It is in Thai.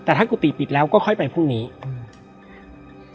แต่ถ้ากุฏิปิดแล้วก็ค่อยไปพรุ่งนี้อืม